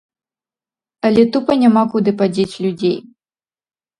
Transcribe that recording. Але тупа няма куды падзець людзей.